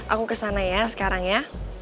aku kesana ya sekarang ya